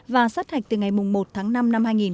và sát hạch từ ngày một tháng năm năm hai nghìn hai mươi